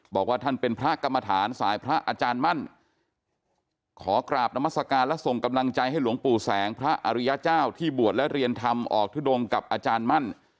บอกว่าท่านเป็นพระกรรมฐานสายพระอาจารย์มั่นขอกราบนามัศกาลและส่งกำลังใจให้หลวงปู่แสงพระอริยเจ้าที่บวชและเรียนธรรมออกทุดงกับอาจารย์มั่น